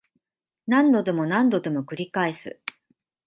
何度でも何度でも繰り返す